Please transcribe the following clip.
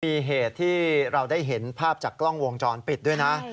มีเหตุที่เราได้เห็นภาพจากกล้องวงจรปิดด้วยนะ